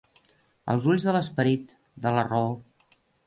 Els ulls de l'esperit, de la raó.